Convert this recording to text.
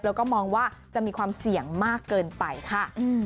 แล้วก็มองว่าจะมีความเสี่ยงมากเกินไปค่ะ